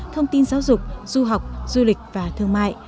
thông tin giáo dục du học du lịch và thương mại